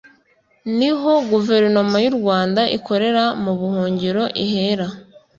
niho Guverinoma y’u Rwanda ikorera mu buhungiro ihera